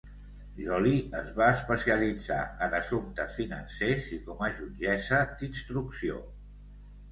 Joly es va especialitzar en assumptes financers i com a jutgessa d'instrucció.